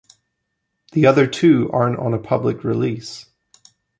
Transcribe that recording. The other two aren't on a public release.